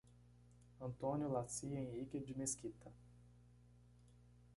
Antônio Laci Henrique de Mesquita